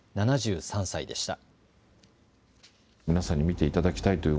７３歳でした。